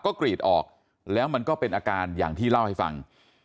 ก็กรีดออกแล้วมันก็เป็นอาการอย่างที่เล่าให้ฟัง